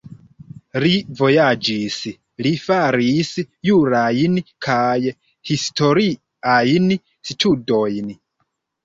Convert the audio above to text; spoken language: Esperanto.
Li vojaĝis, li faris jurajn kaj historiajn studojn.